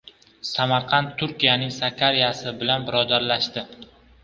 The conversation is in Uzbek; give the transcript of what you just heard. Samarqand Turkiyaning Sakaryasi bilan birodarlashdi